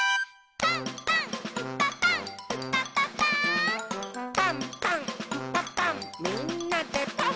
「パンパンんパパンみんなでパン！」